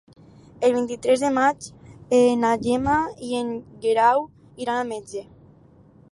El vint-i-tres de maig na Gemma i en Guerau iran al metge.